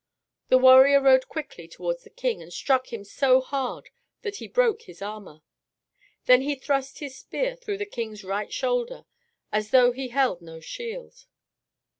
The warrior rode quickly towards the king, and struck him so hard that he broke his armor. Then he thrust his spear through the king's right shoulder, as though he held no shield.